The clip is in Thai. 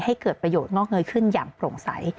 ให้เกิดประโยชน์งอกเงยขึ้นอย่างโปร่งใส